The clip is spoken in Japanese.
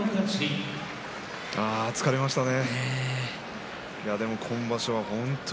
ああ、疲れましたね。